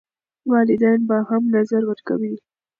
والدین به هم نظر ورکوي.